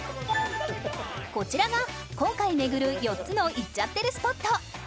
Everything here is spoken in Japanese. こちらが今回巡る４つのイッちゃってるスポット